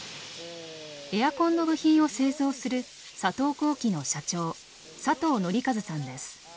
エアコンの部品を製造する佐藤工機の社長佐藤憲和さんです。